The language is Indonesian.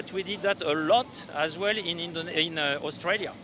tapi kita melakukan itu banyak juga di australia